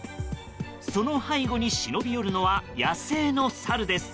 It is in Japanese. その背後に忍び寄るのは野生のサルです。